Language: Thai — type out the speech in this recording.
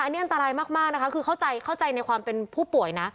อันนี้อันตรายมากนะคะคือเข้าใจเข้าใจในความเป็นผู้ป่วยนะ